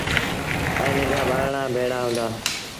ائيٚݩ ننڍآ ٻآرڙآ ڀيڙآ هُݩدآ ۔